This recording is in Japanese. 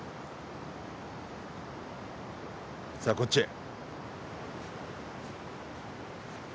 さあこっちへ。